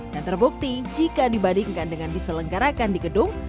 dan terbukti jika dibandingkan dengan diselenggarakan di gedung